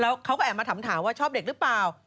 เขาก็แอบมาถามว่าชอบเด็กหรือเปล่า